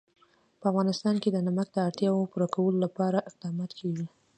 په افغانستان کې د نمک د اړتیاوو پوره کولو لپاره اقدامات کېږي.